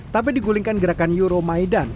tapi digulingkan gerakan euromaidan